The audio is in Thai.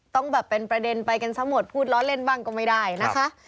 ต้องแบบเป็นประเด็นไปกันซะหมดพูดล้อเล่นบ้างก็ไม่ได้นะคะ